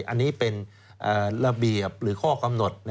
อันนี้เป็นระเบียบหรือข้อกำหนด